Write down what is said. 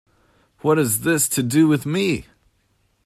What has this to do with me?